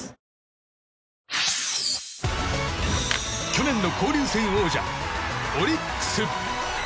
去年の交流戦王者オリックス。